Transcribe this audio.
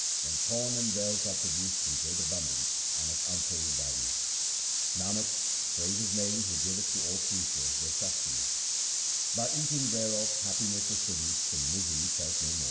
2 Then corn and wealth are produced in great abundance and of untold value. Nanak, praise His name who giveth to all creatures their sustenance, By eating whereof happiness is produced, and misery felt no more.